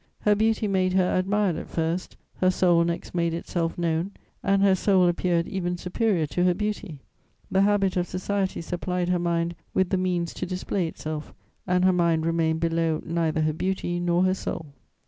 Her beauty made her admired at first; her soul next made itself known, and her soul appeared even superior to her beauty. The habit of society supplied her mind with the means to display itself, and her mind remained below neither her beauty nor her soul.